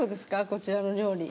こちらの料理。